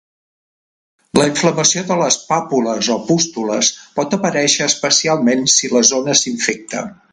La inflamació de les pàpules o pústules pot aparèixer especialment si la zona s'infecta.